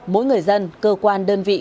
mỗi người dân cơ quan đơn vị